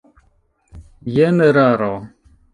Jen eraro.